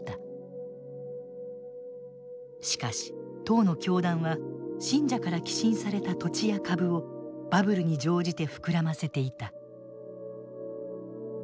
しかし当の教団は信者から寄進された土地や株をバブルに乗じて膨らませていた。